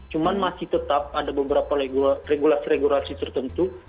cuma masih tetap ada beberapa regulasi regulasi tertentu